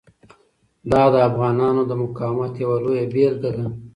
دا د افغانانو د مقاومت یوه لویه بیلګه ده.